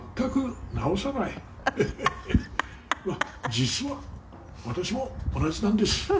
「実は私も同じなんです」